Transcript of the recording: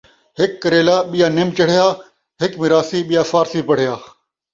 ہک کریلا ٻیا نم چڑھیا ، ہک مراثی ٻیا فارسی پڑھیا